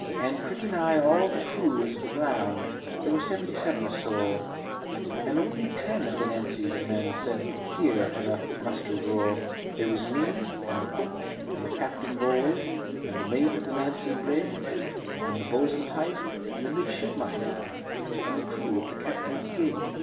"And pretty nigh all o' the crew was drowned (There was seventy seven o' soul), And only ten of the Nancy's men Said 'Here!' to the muster roll. "There was me and the cook and the captain bold, And the mate of the Nancy brig And the bo'sun tight, and a midshipmite, And the crew of the captain's gig.